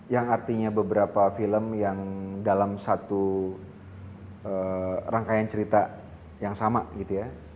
yang artinya beberapa film yang dalam satu rangkaian cerita yang sama gitu ya